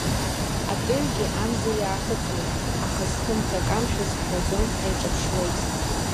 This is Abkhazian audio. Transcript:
Атыҩгьы амза иаахыҵуеит, аха зхымҭа камшәаз ҳҳәаӡом, ҳаиҿаԥшуеит…